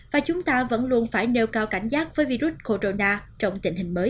và chúng ta vẫn luôn phải nêu cao cảnh giác với virus corona trong tình hình mới